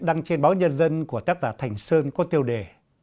đăng trên báo nhân dân của tác giả thành sơn có tiêu đề